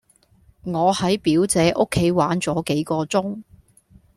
我喺表姐屋企玩咗幾個鐘